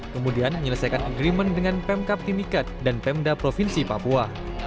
kemudian menyelesaikan agreement dengan pemkap timikat dan pemda provinsi papua